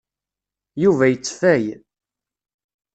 Yuba yetteffay.